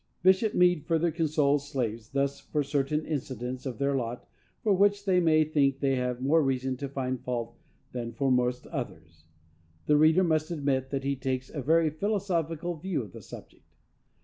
Bishop Meade further consoles slaves thus for certain incidents of their lot, for which they may think they have more reason to find fault than for most others. The reader must admit that he takes a very philosophical view of the subject.